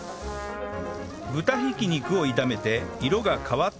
豚ひき肉を炒めて色が変わってきたら